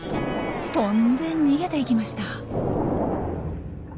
跳んで逃げていきました。